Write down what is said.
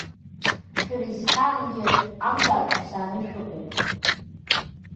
Шәара есқьаангьы амзаатә шәзааны шәыҟоуп.